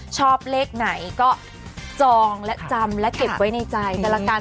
ชอบเลขไหนก็จองและจำและเก็บไว้ในใจกันละกัน